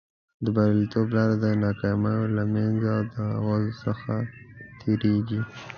د بریالیتوب لاره د ناکامیو له منځه او د هغو څخه تېرېږي.